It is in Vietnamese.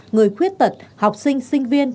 người khuyết tật học sinh sinh viên